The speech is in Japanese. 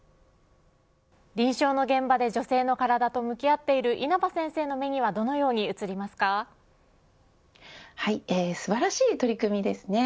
臨床の現場で、女性の体と向き合っている稲葉先生の目には素晴らしい取り組みですね。